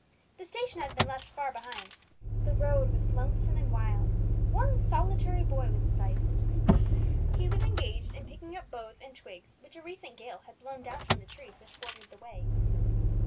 The station had been left far behind; the road was lonesome and wild; only one solitary boy was in sight; he was engaged in picking up boughs and twigs which a recent gale had blown down from the trees which bordered the way.